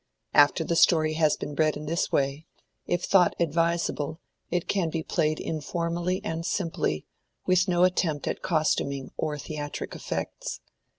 After the story has been read in this way, if thought advisable it can be played informally and simply, with no attempt at costuming or theatric effects.